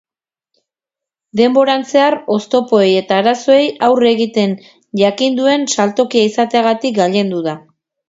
Denboran zehar oztopoei eta arazoei aurre egiten jakin duen saltokia izateagatik gailendu da.